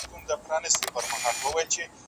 د ټولنپوهنې اصلي او عملي ګټه څه ده؟